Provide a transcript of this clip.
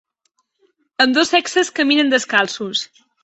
Ambdós sexes caminen descalços.